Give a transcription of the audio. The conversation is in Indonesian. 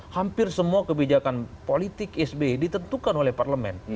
hampir semua kebijakan politik sby ditentukan oleh parlemen